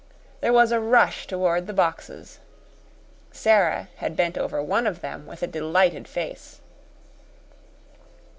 There was a rush toward the boxes. Sara had bent over one of them with a delighted face.